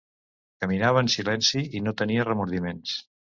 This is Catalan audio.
Caminava en silenci i no tenia remordiments.